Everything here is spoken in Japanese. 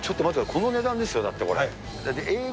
この値段ですよ、だってこれ。